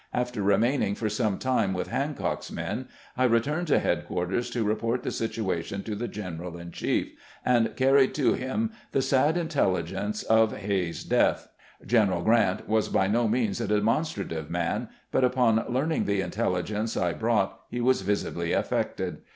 After remaining for some time with Hancock's men, I returned to headquarters to re port the situation to the general in chief, and carried to him the sad intelligence of Hays's death. General Grant was by no means a demonstrative man, but upon learning the intelligence I brought, he was visibly affected.